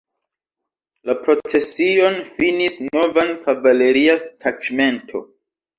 La procesion finis nova kavaleria taĉmento.